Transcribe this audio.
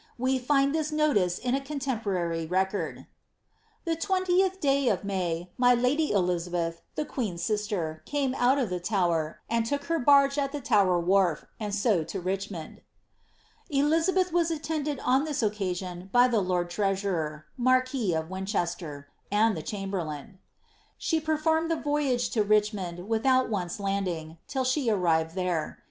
We find this notice in a contemporary re cord :—^ The 20th day of May, my lady Elizabeth, the queen^s sister, came out of the Tower, and took her barge at the Tower wharf, and so to Richmond." ' Elizabeth was attended on this occasion by the lord treasurer, (marquis of Winchester.) and the chamberlain. She performed the voyage to Richmond without once lauding, till she arrived there.